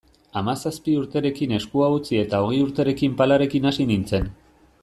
Hamazazpi urterekin eskua utzi eta hogei urterekin palarekin hasi nintzen.